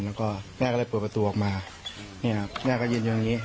แล้วก็แม่ก็เลยปลูกประตูออกมานี่ครับแม่ก็ยืนอย่างงี้